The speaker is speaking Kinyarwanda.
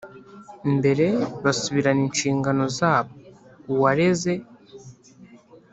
Mbere basubirana inshingano zabo uwareze